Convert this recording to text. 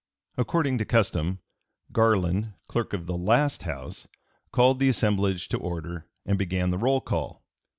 According to custom Garland, clerk of the last House, called the assemblage to order and began the roll call.